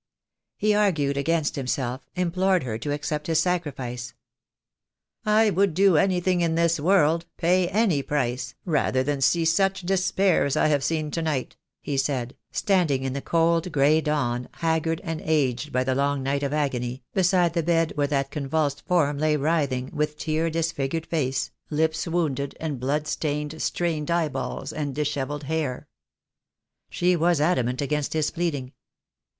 He argued against himself — implored her to accept his sacrifice. "I would do anything in this world, pay any price, rather than see such despair as I have seen to night," he said, standing in the cold, grey dawn, haggard and aged by the long night of agony, beside the bed where that convulsed form lay writhing, with tear disfigured face, lips wounded and blood stained, strained eye balls, and dishevelled hair. She was adamant against his pleading.